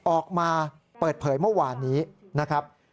ออกมาเปิดเผยเมื่อวานนี้นะครับ